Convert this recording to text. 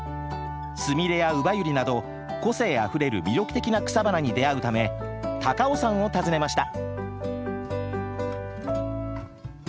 スミレやウバユリなど個性あふれる魅力的な草花に出会うため高尾山を訪ねました。